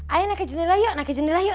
ayo naik ke jendela yuk